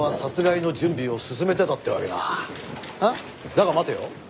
だが待てよ。